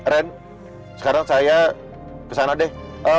ren sekarang saya kesana deh